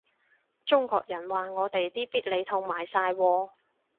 中國人話我哋啲必理痛賣晒喎